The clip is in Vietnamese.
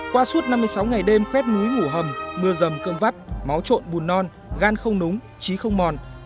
qua suốt năm mươi sáu ngày đêm khuét núi ngủ hầm mưa rầm cơm vắt máu trộn bùn non gan không núng trí không mòn